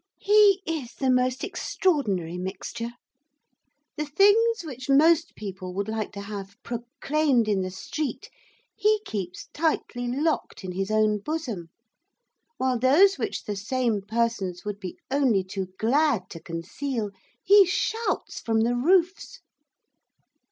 He is the most extraordinary mixture. The things which most people would like to have proclaimed in the street, he keeps tightly locked in his own bosom; while those which the same persons would be only too glad to conceal, he shouts from the roofs.